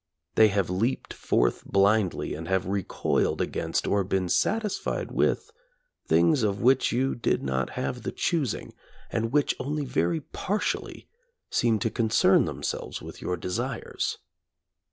They have leaped forth blindly and have recoiled against or been satisfied with things of which you did not have the choosing, and which only very partially seem to concern themselves with your desires.